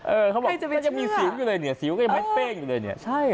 เออเขาบอกมันยังมีสิวอยู่เลยเนี่ยสิวก็ยังไม่เต้นอยู่เลยเนี่ยใช่เหรอ